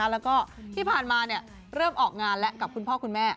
แล้วก็ที่ผ่านมาเริ่มออกงานแล้วกับคุณพ่อคุณแม่